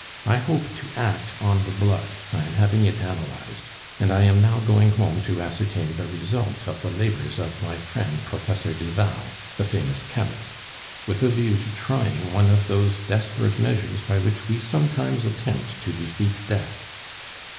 I hope to act on the blood; I am having it analyzed; and I am now going home to ascertain the result of the labors of my friend Professor Duval, the famous chemist, with a view to trying one of those desperate measures by which we sometimes attempt to defeat death."